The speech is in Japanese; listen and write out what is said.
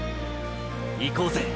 いこうぜ